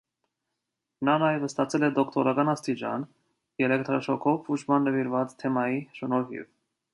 Նա նաև ստացել է դոկտորական աստիճան՝ էլեկտրաշոկով բուժման նվիրված թեմայի շնորհիվ։